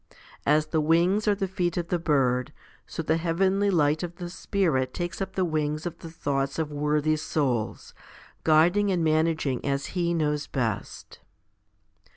As the wings are the feet of the bird, so the heavenly light of the Spirit takes up the wings of the thoughts of worthy souls, guiding and managing as He knows best.